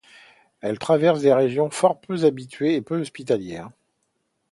Elle traverse des régions fort peu habitées et peu hospitalières.